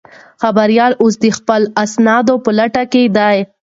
خبریال اوس د خپلو اسنادو په لټه کې دی.